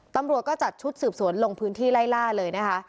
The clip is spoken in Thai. ตำรวจก็จัดชุดสืบสวนลงพื้นที่ไล่ล่าเลยนะคะ